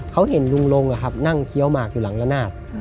เขาเห็นลุงลงนั่งเคี้ยวหมากอยู่หลังละนาด